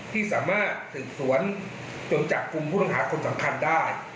ที่สามารถสืบสวนจนจับกลุ่มผู้ต้องหาคนสำคัญได้